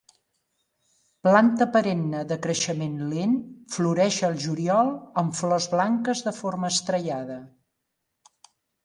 Planta perenne de creixement lent, floreix al juliol amb flors blanques de forma estrellada.